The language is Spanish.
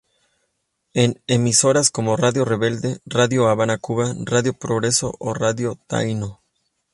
En emisoras como Radio Rebelde, Radio Habana Cuba, Radio Progreso o Radio Taíno.